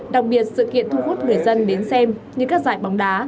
đặc biệt sự kiện thu hút người dân đến xem như các giải bóng đá